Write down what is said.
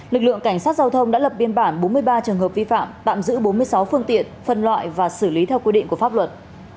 lực lượng cảnh sát giao thông đã lập biên bản bốn mươi ba trường hợp vi phạm tạm giữ bốn mươi sáu phương tiện phân loại và xử lý theo quy định của pháp luật